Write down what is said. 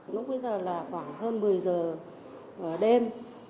lúc bây giờ là khoảng hơn một mươi giờ đêm